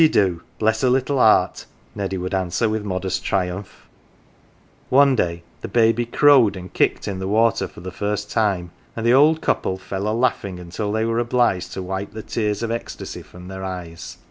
" She do, bless her little 'eart !" Neddy would answer, with modest triumph. One day the baby crowed and kicked in the water for the first time, and the old couple fell a laughing 33 c GAFFER'S CHILD until they were obliged to wipe the tears of ecstasy from their eyes.